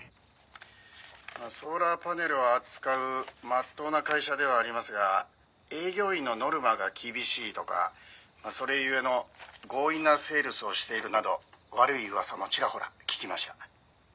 「ソーラーパネルを扱うまっとうな会社ではありますが営業員のノルマが厳しいとかそれ故の強引なセールスをしているなど悪い噂もちらほら聞きました」